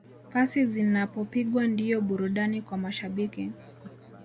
Pasi zinapopigwa ndiyo burudani kwa mashabiki